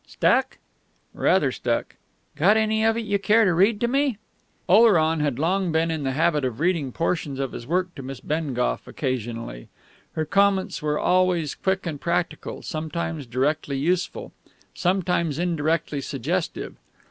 "Stuck?" "Rather stuck." "Got any of it you care to read to me?..." Oleron had long been in the habit of reading portions of his work to Miss Bengough occasionally. Her comments were always quick and practical, sometimes directly useful, sometimes indirectly suggestive.